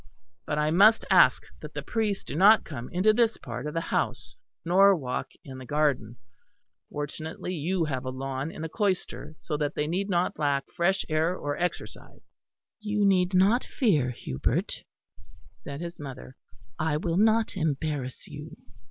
But I must ask that the priests do not come into this part of the house, nor walk in the garden. Fortunately you have a lawn in the cloister; so that they need not lack fresh air or exercise." "You need not fear, Hubert," said his mother, "I will not embarrass you.